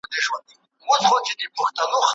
روغ صورت باچهي ده